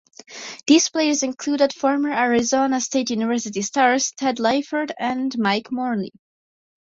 These players included former Arizona State University "stars" Ted Lyford and Mike Morley.